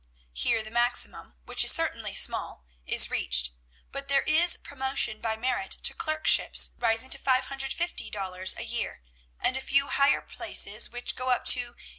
Here the maximum, which is certainly small, is reached; but there is promotion by merit to clerkships, rising to $550 a year, and a few higher places, which go up to $850.